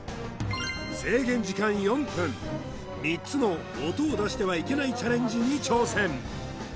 制限時間４分３つの音を出してはいけないチャレンジに挑戦！